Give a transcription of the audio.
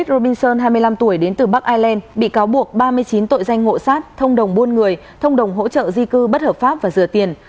robinson hai mươi năm tuổi đến từ bắc ireland bị cáo buộc ba mươi chín tội danh ngộ sát thông đồng buôn người thông đồng hỗ trợ di cư bất hợp pháp và rửa tiền